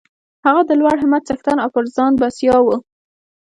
هغه د لوړ همت څښتن او پر ځان بسیا و